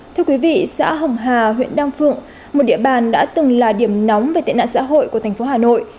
thưa quý vị xã hồng hà huyện đan phượng một địa bàn đã từng là điểm nóng về tệ nạn xã hội của thành phố hà nội